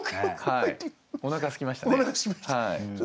おなかすきましたね。